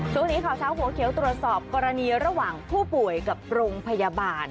ช่วงนี้ข่าวเช้าหัวเขียวตรวจสอบกรณีระหว่างผู้ป่วยกับโรงพยาบาล